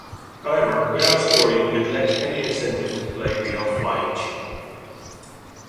However, without a story, it lacked any incentive to play beyond flying and shooting.